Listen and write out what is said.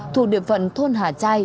thuộc địa phận thôn hà chai